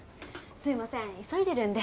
すいません急いでるんで。